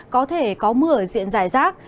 có thể có mưa diện giải rác